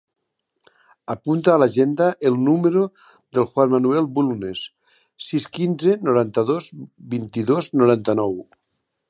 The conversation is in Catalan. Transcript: Apunta a l'agenda el número del Juan manuel Bulnes: sis, quinze, noranta-dos, vint-i-dos, noranta-nou.